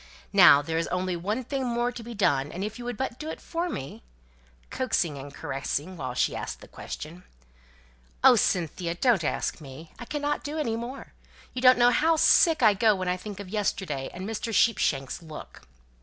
Now there's only one thing more to be done; and if you would but do it for me " (coaxing and caressing while she asked the question). "Oh, Cynthia, don't ask me; I cannot do any more. You don't know how sick I go when I think of yesterday, and Mr. Sheepshanks' look."